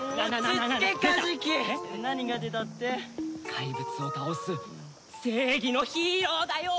怪物を倒す正義のヒーローだよ！